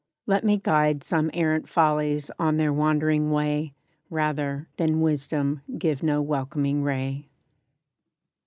Let me guide Some errant follies, on their wandering way, Rather, than Wisdom give no welcoming ray.